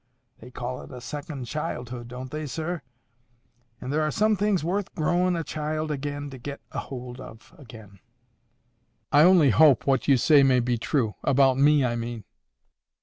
They call it a second childhood, don't they, sir? And there are some things worth growin' a child again to get a hould ov again." "I only hope what you say may be true—about me, I mean."